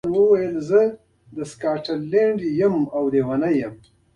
خان زمان وویل، یا، زه سکاټلنډۍ یم او لیونۍ یم.